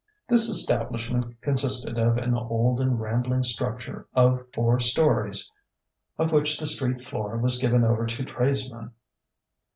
This establishment consisted of an old and rambling structure of four storeys, of which the street floor was given over to tradesmen.